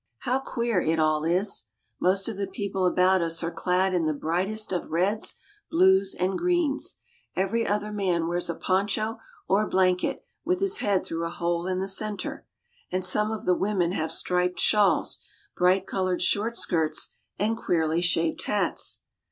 How queer it all is ! Most of the people about us are clad in the brightest of reds, blues, and greens. Every other man wears a poncho, or blanket, with his head La Paz, Bolivia. through a hole in its center, and some of the women have striped shawls, bright colored short skirts, and queerly shaped hats.